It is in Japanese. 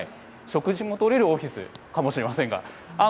食事もとれるオフィスかもしれませんが。